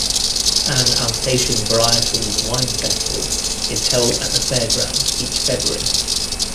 An Alsatian Varietals wine festival is held at the fairgrounds each February.